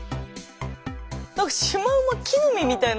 何かシマウマ木の実みたいな。